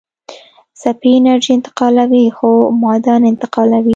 څپې انرژي انتقالوي خو ماده نه انتقالوي.